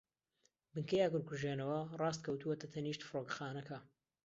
بنکەی ئاگرکوژێنەوە ڕاست کەوتووەتە تەنیشت فڕۆکەخانەکە.